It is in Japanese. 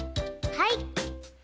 はい。